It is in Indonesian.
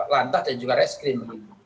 lantah dan juga reskrim